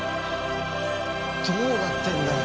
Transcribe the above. どうなってんだよ。